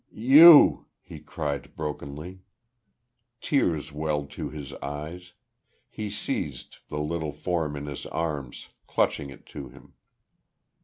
"You!" he cried, brokenly. Tears welled to his eyes. He seized the little form in his arms, clutching it to him.